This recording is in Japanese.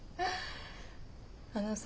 あのさ。